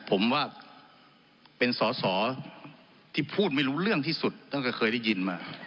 ผมว่าเป็นสอสอที่พูดไม่รู้เรื่องที่สุดท่านก็เคยได้ยินมา